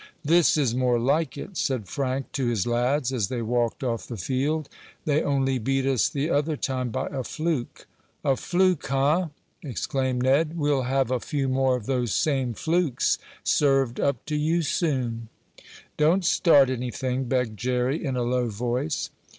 "This is more like it," said Frank to his lads, as they walked off the field. "They only beat us the other time by a fluke." "A fluke! Huh!" exclaimed Ned. "We'll have a few more of those same flukes served up to you soon." "Don't start anything," begged Jerry, in a low voice.